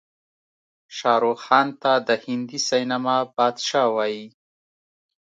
شاروخ خان ته د هندي سينما بادشاه وايې.